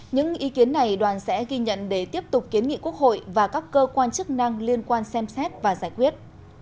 những ý kiến này đoàn sẽ ghi nhận để tiếp tục kiến nghị quốc hội và các cơ quan chức năng liên quan xem xét và giải quyết